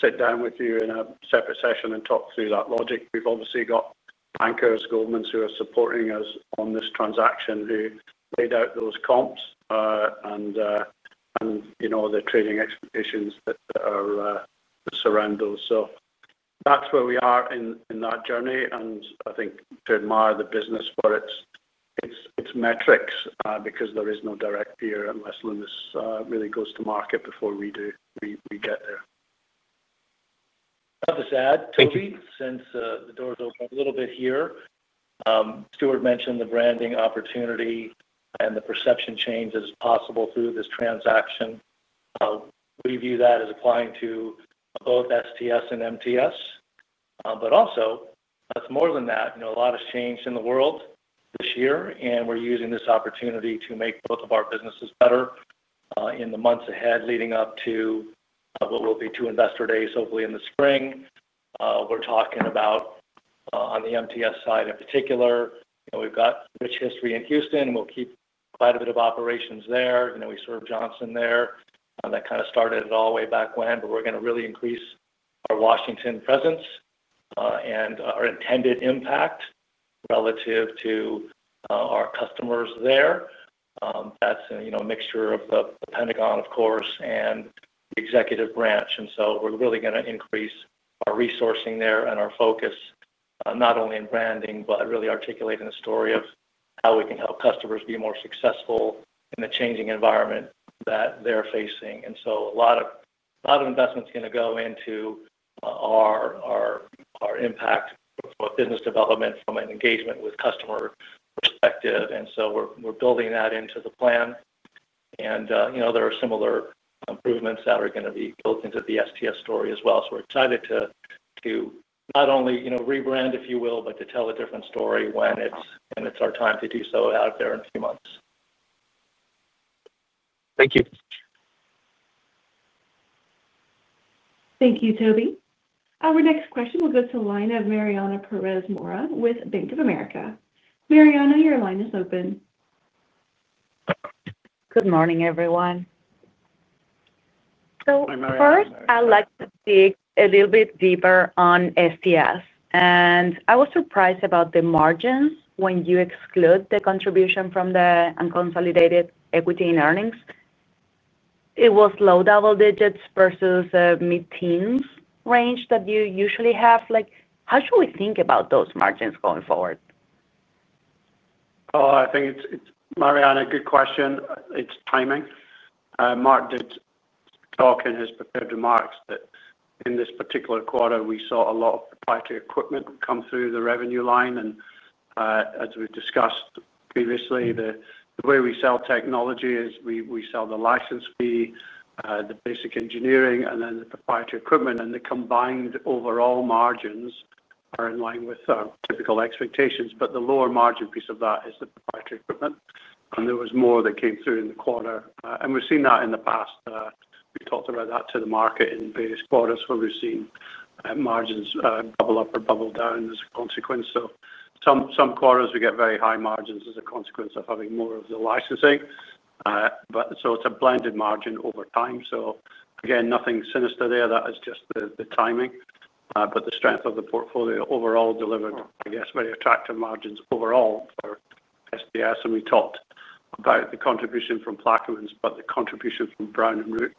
Speaker 3: sit down with you in a separate session and talk through that logic. We've obviously got bankers, governments who are supporting us on this transaction, who laid out those comps and, you know, the trading expectations that are. That's where we are in that journey. I think to admire the business for its metrics because there is no direct peer unless Loomis really goes to market before we do, we get there.
Speaker 4: Not too sad, Tobey, since the door is open a little bit here. Stuart mentioned the branding opportunity and the perception change is possible through this transaction. We view that as applying to both STS and MTS. Also, more than that, a lot has changed in the world this year, and we're using this opportunity to make both of our businesses better in the months ahead leading up to what will. Be two investor days, hopefully in the spring. We're talking about on the MTS side in particular. We've got rich history in Houston and we'll keep quite a bit of operations there. We served Johnson there. That kind of started it all way back when. We're going to really increase our Washington presence and our intended impact relative to our customers there. That's a mixture of the Pentagon, of course, and the executive branch. We're really going to increase our resourcing there and our focus not only in branding, but really articulating the story of how we can help customers be more successful in the changing environment that they're facing. A lot of investments are going to go into our impact business development from an engagement with customer perspective. We're building that into the plan. There are similar improvements that are going to be built into the STS story as well. We're excited to not only, you. Know, rebrand if you will, but to. Tell a different story when it's our time to do so out there in a few months.
Speaker 8: Thank you.
Speaker 1: Thank you, Tobey. Our next question will go to Lina Mariana Pérez Mora with Bank of America. Mariana, your line is open.
Speaker 9: Good morning, everyone. First, I'd like to dig a. Little bit deeper on STS and I was surprised about the margins when you exclude the contribution from the unconsolidated equity in earnings. It was low double digits versus mid teens range that you usually have. How should we think about those margins going forward?
Speaker 3: Oh, I think it's Mariana, good question. It's timing. Mark did talk in his prepared remarks that in this particular quarter we saw a lot of proprietary equipment come through the revenue line. As we discussed previously, the way we sell technology is we sell the license fee, the basic engineering, and then the proprietary equipment. The combined overall margins are in line with typical expectations. The lower margin piece of that is the proprietary equipment. There was more that came through in the quarter and we've seen that in the past. We talked about that to the market in various quarters where we've seen margins bubble up or bubble down as a consequence. Some quarters we get very high margins as a consequence of having more of the licensing. It's a blended margin over time. Again, nothing sinister there. That is just the timing, but the strength of the portfolio overall delivered, I guess, very attractive margins overall. We talked about the contribution from Plaquemines, but the contribution from Brown & Root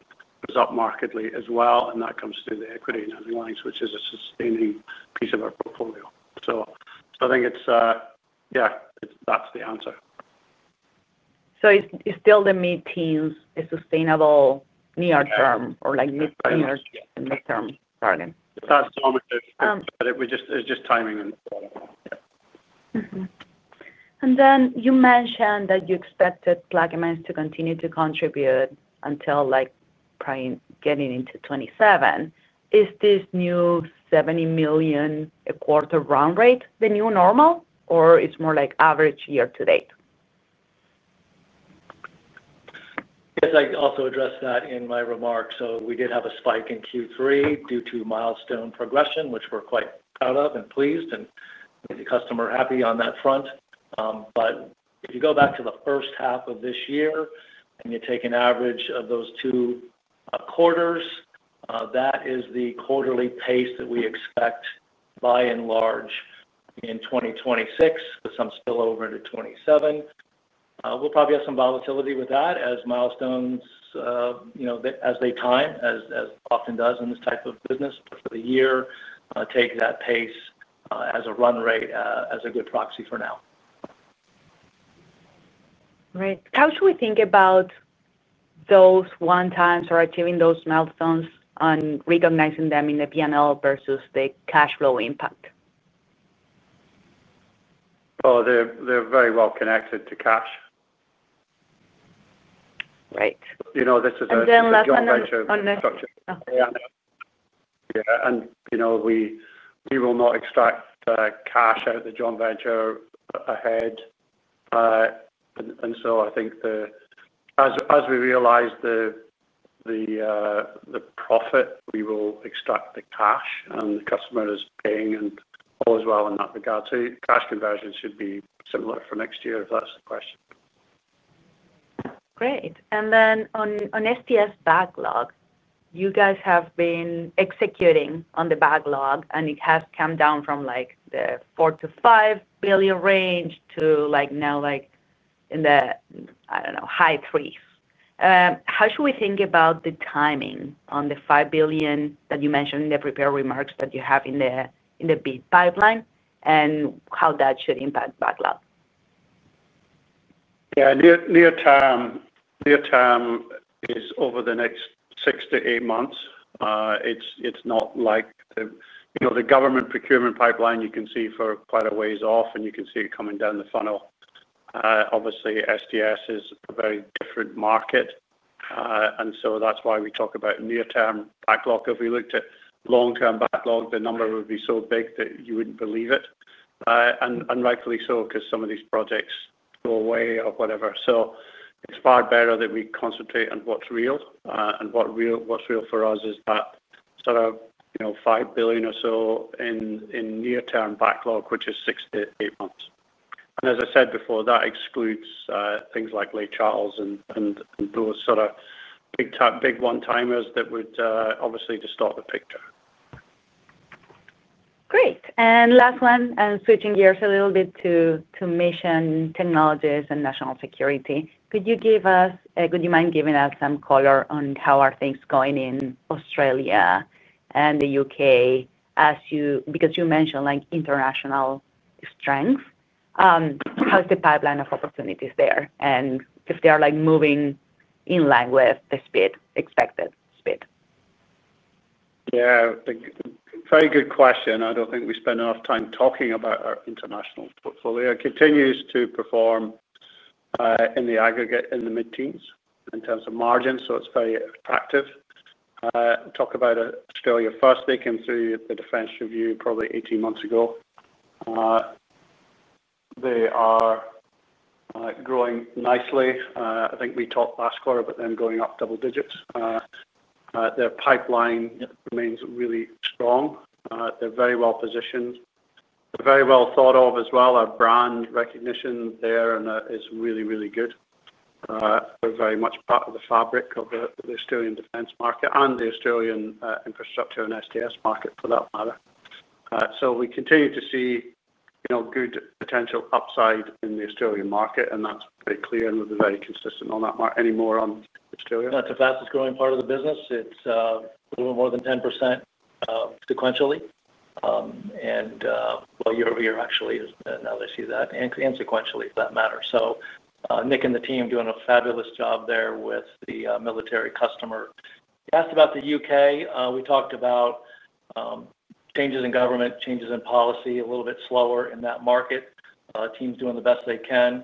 Speaker 3: was up markedly as well. That comes through the equity lines, which is a sustaining piece of our portfolio. I think that's the answer.
Speaker 9: It's still the mid teens, a sustainable near term or like midterm target.
Speaker 3: That's normative, but it's just timing.
Speaker 9: You mentioned that you expected Plaquemines to continue to contribute until getting into 2027. Is this new $70 million a quarter run rate the new normal, or is it more like average year-to-date?
Speaker 4: Yes, I also addressed that in my remarks. We did have a spike in Q3 due to milestone progression, which we're quite proud of and pleased and made the customer happy on that front. If you go back to the. First half of this year and you. Take an average of those two quarters. That is the quarterly pace that we expect by and large in 2026, with some spillover into 2027, we'll probably have. Some volatility with that as milestones. As they time as often does in this type of business for the year, take that pace as a run rate as a good proxy for now.
Speaker 9: Right. How should we think about those one times or achieving those milestones on recognizing them in the P&L versus the cash flow impact?
Speaker 3: Oh, they're very well connected to cash.
Speaker 9: Right.
Speaker 3: You know this is. Yeah. We will not extract cash out the joint venture ahead. I think as we realize the profit we will extract the cash and the customer is paying and all is well in that regard. Cash conversion should be similar for next year if that's the question.
Speaker 9: Great. On STS backlog, you guys have been executing on the backlog, and it has come down from the $4 billion-$5 billion range to now in the, I don't know, high $3 billion. How should we think about the timing on the $5 billion that you mentioned in the prepared remarks that you have in the bid pipeline and how that should impact backlog?
Speaker 3: Yeah, near term is over the next six to eight months. It's not like the government procurement pipeline. You can see for quite a ways off and you can see it coming down the funnel. Obviously, STS is a very different market and that's why we talk about near term backlog. If we looked at long term backlog, the number would be so big that you wouldn't believe it and rightfully so because some of these projects go away or whatever. It's far better that we concentrate on what's real. What's real for us is that sort of $5 billion or so in near term backlog, which is six to eight months. As I said before, that excludes things like late chattels and those sort of big top, big one timers that would obviously distort the picture.
Speaker 9: Great. Last one, switching gears a little bit to Mission Technologies and national security. Could you give us, would you mind giving us some color on how are things going in Australia and the U.K. because you mentioned international strength? How's the pipeline of opportunities there and if they are moving in line with the expected speed?
Speaker 3: Yeah, very good question. I don't think we spend enough time talking about our international portfolio. It continues to perform in the aggregate in the mid teens in terms of margin, so it's very attractive. Talk about Australia first. They came through the defence review probably 18 months ago. They are growing nicely. I think we talked last quarter about them going up double digits. Their pipeline remains really strong. They're very well positioned, very well thought of as well. Our brand recognition there is really, really good. They're very much part of the fabric of the Australian defence market and the Australian infrastructure and STS market for that matter. We continue to see good potential upside in the Australian market and that's very clear and we've been very consistent on that. Mark, any more on Australia?
Speaker 4: That's the fastest growing part of the business. It's a little more than 10% sequentially, and year-over-year actually, now they see that, and sequentially for that matter. Nick and the team doing a fabulous job there with the military customer. Asked about the U.K., we talked about changes in government, changes in policy. little bit slower in that market, teams doing the best they can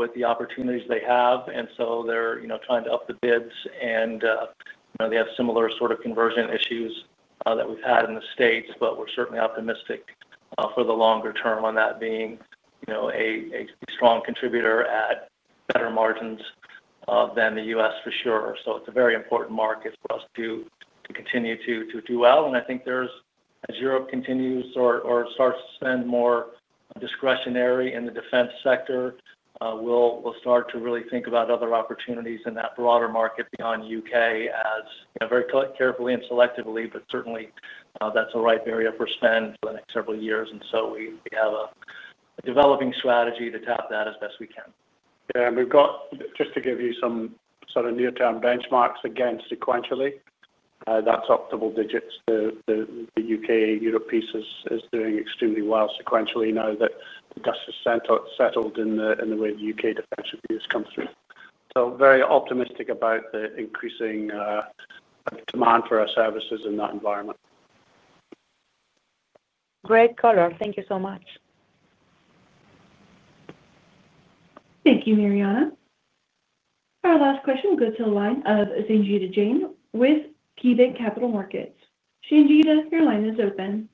Speaker 4: with the opportunities they have. They're trying to up the bids and they have similar sort of conversion issues that we've had in the States. We're certainly optimistic for the longer term on that being a strong contributor at better margins than the U.S. for sure. It's a very important market for us to continue to do well. I think as Europe continues or starts to spend more discretionary in the defense sector, we'll start to really think about other opportunities in that broader market beyond the U.K. very carefully and selectively. Certainly that's the right barrier for spend for the next several years. We have a developing strategy to tap that as best we can.
Speaker 3: Yeah. We've got, just to give you some sort of near term benchmarks, again sequentially, that's optimal digits. The U.K.-Europe piece is doing extremely well sequentially now that dust has settled in the way the U.K. Defence review has come through. Very optimistic about the increasing demand for our services in that environment.
Speaker 9: Great color. Thank you so much.
Speaker 1: Thank you, Mariana. Our last question will go to the line of Sangita Jain with KeyBanc Capital Markets. Sangita, your line is open.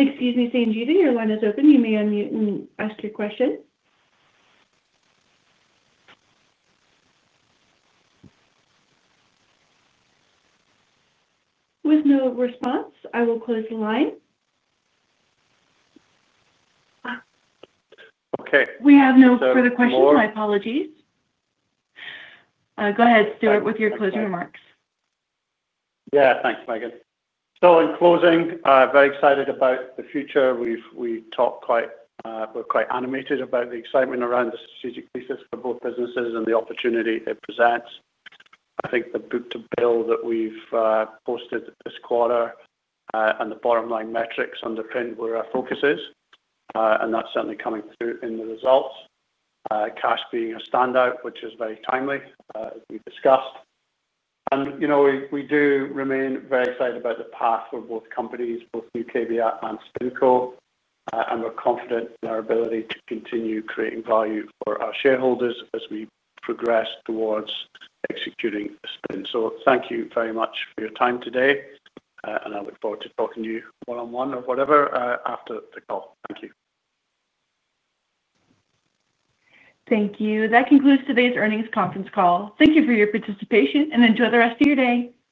Speaker 1: Sangita, your line is open. You may unmute and ask your question. With no response, I will close the line.
Speaker 3: Okay.
Speaker 1: We have no further questions. My apologies. Go ahead, Stuart, with your closing remarks.
Speaker 3: Yeah, thanks, Megan. In closing, very excited about the future. We talk quite, we're quite animated about the excitement around the strategic thesis for both businesses and the opportunity it presents. I think the Book-to-Bill that we've posted this quarter and the bottom line metrics underpinned where our focus is, and that's certainly coming through in the results. Cash being a standout, which is very timely as we discussed and you. We do remain very excited about. The path for both companies, both KBR and SpinCo, and we're confident in our ability to continue creating value for our shareholders as we progress towards executing a spin. Thank you very much for your time today and I look forward to talking to you one on one or whatever after the call. Thank you.
Speaker 1: Thank you. That concludes today's earnings conference call. Thank you for your participation and enjoy the rest of your day.